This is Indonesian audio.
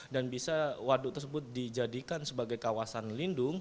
dan bisa waduk tersebut dijadikan sebagai kawasan lindung